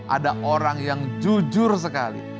ada orang yang jujur sekali